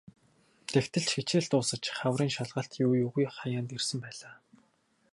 Тэгтэл ч хичээл дуусаж хаврын шалгалт юу юугүй хаяанд ирсэн байлаа.